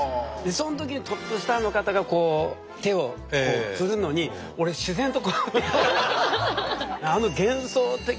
そのときにトップスターの方がこう手を振るのに俺自然とこうやって。